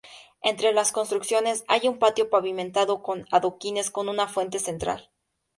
Entre las construcciones hay un patio pavimentado con adoquines con una fuente central.